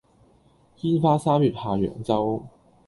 煙花三月下揚州